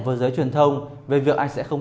với giới truyền thông về việc anh sẽ không